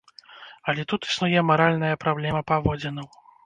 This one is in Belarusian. Але тут існуе маральная праблема паводзінаў.